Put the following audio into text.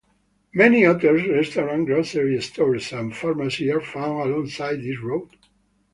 Many hotels, restaurants, grocery stores and pharmacy are found alongside this road.